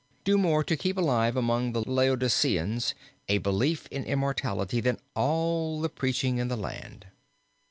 do more to keep alive among the Laodiceans a belief in immortality than all the preaching in the land."